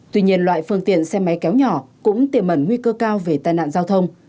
tuy nhiên loại phương tiện xe máy kéo nhỏ cũng tiềm mẩn nguy cơ cao về tai nạn giao thông